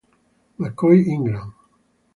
McCoy Ingram